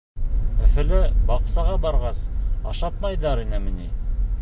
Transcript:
— Өфөлә, баҡсаға барғас, ашатмайҙар инеме ни?